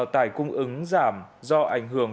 tài cung ứng giảm do ảnh hưởng